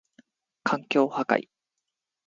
環境破壊